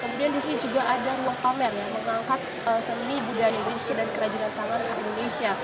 kemudian di sini juga ada ruang pamer yang mengangkat seni budaya indonesia dan kerajinan tangan khas indonesia